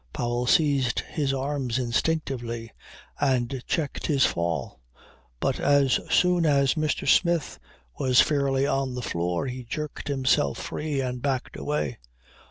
Powell seized his arm instinctively and checked his fall; but as soon as Mr. Smith was fairly on the floor he jerked himself free and backed away.